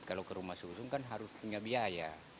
kalau ke rumah susun kan harus punya biaya